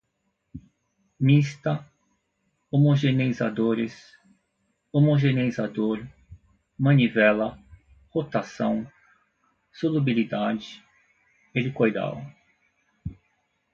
mista, homogeneizadores, homogeneizador, manivela, rotação, solubilidade, helicoidal